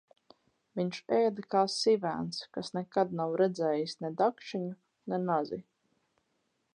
Viņš ēda kā sivēns, kas nekad nav redzējis ne dakšiņu, ne nazi!